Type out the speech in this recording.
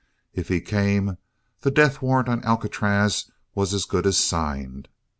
If he came, the death warrant of Alcatraz was as good as signed.